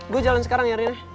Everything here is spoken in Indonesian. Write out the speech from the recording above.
gue jalan sekarang ya rian